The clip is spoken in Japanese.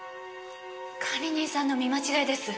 管理人さんの見間違いです。